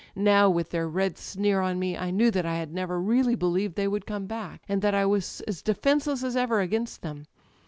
Now, with their red sneer on me, I knew that I had never really believed they would come back, and that I was as defenceless as ever against them